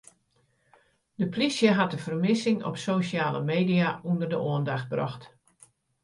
De polysje hat de fermissing op sosjale media ûnder de oandacht brocht.